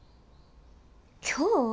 今日？